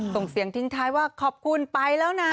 ส่งเสียงทิ้งท้ายว่าขอบคุณไปแล้วนะ